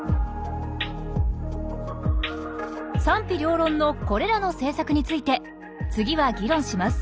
賛否両論のこれらの政策について次は議論します。